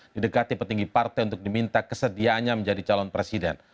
didekati petinggi partai untuk diminta kesediaannya menjadi calon presiden